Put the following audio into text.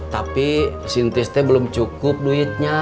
tapi si tisna belum cukup duitnya